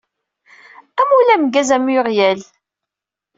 Amulli ameggaz a Muiriel!